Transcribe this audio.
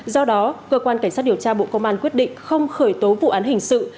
do đó cơ quan cảnh sát điều tra bộ công an quyết định không khởi tố vụ án hình sự